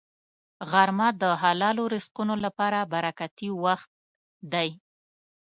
غرمه د حلالو رزقونو لپاره برکتي وخت دی